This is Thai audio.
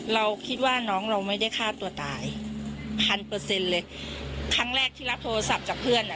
เราคิดว่าน้องเราไม่ได้ฆ่าตัวตายพันเปอร์เซ็นต์เลยครั้งแรกที่รับโทรศัพท์จากเพื่อนอ่ะ